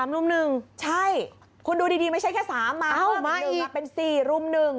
รุ่ม๑ใช่คุณดูดีไม่ใช่แค่๓มาเป็น๔รุ่ม๑